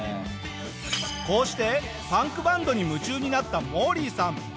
こうしてパンクバンドに夢中になったモーリーさん。